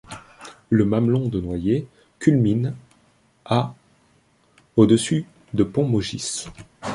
Le mamelon de Noyers culmine à au-dessus de Pont-Maugis.